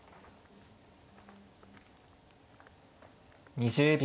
２０秒。